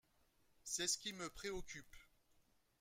C’est ce qui me préoccupe.